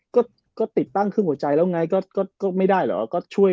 ก็ติดตั้งครึ่งหัวใจแล้วไงก็ไม่ได้เหรอก็ช่วย